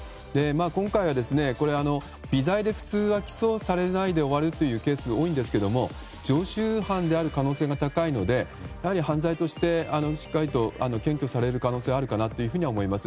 今回は微罪で、普通は起訴されないで終わるというケースが多いんですが常習犯である可能性が高いので犯罪としてしっかりと検挙される可能性はあるかなというふうには思います。